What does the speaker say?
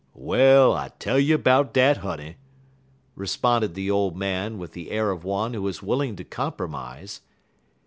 "Well, I tell you 'bout dat, honey," responded the old man, with the air of one who is willing to compromise.